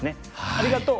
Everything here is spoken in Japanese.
ありがとう！